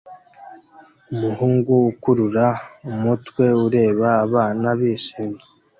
Umuhungu ukurura umutwe ureba abana bishimye